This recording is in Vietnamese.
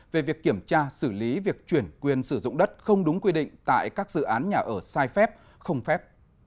về việc kiểm tra xử lý việc chuyển quyền sử dụng đất không đúng quy định tại các dự án nhà ở sai phép không phép